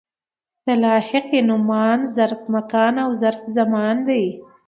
د لاحقې نومان ظرف مکان او ظرف زمان دي.